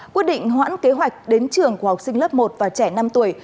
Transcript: quyết định hoãn kế hoạch đến trường của học sinh lớp một và trẻ năm tuổi